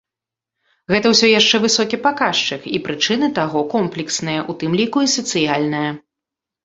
Гэта ўсё яшчэ высокі паказчык, і прычыны таго комплексныя, у тым ліку, і сацыяльныя.